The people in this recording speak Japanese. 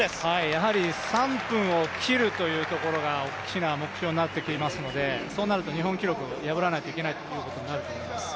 やはり３分を切るというところが大きな目標になっていますのでそうなると日本記録破らないといけないということになると思います。